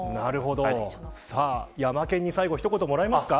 さあ、ヤマケンに最後一言もらえますか。